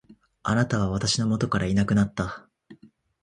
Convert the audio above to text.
貴方は私の元からいなくなった。